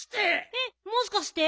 えっもしかして？